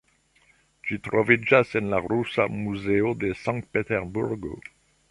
Ĝi troviĝas en la Rusa Muzeo de Sankt-Peterburgo.